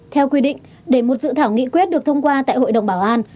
theo quy định để một dự thảo nghị quyết được thông qua tại hội đồng bảo an